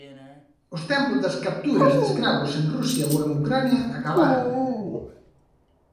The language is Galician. Os tempos das capturas de escravos en Rusia ou en Ucraína acabaran.